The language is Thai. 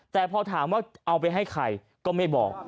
แต่พอถามว่าเอาไปให้ใครก็ไม่บอก